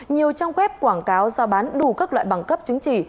nhiều trong khép quảng cáo do bán đủ các loại bằng cấp chứng chỉ